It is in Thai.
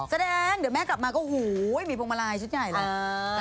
แสดงเดี๋ยวแม่กลับมาก็โอ้โหมีพวงมาลัยชุดใหญ่เลย